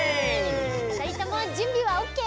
ふたりともじゅんびはオッケー？